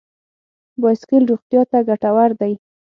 بایسکل روغتیا ته ګټور دی.